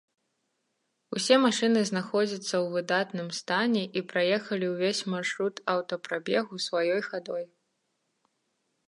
Усе машыны знаходзяцца ў выдатным стане і праехалі ўвесь маршрут аўтапрабегу сваёй хадой.